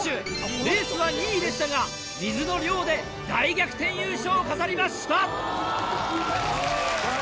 レースは２位でしたが水の量で大逆転優勝を飾りました。